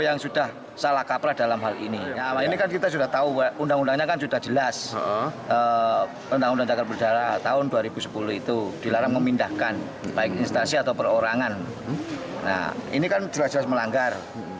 nah ini kan jelas jelas melanggar